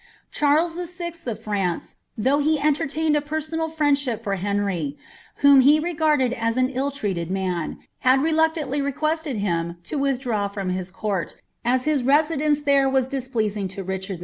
Charles VI. of France, though he entertained a personal friendship for Henry, whom he regarded as an ill treated man, had reluctantly requested him to withdraw from his court, as his residence there was displeasing to Richard II.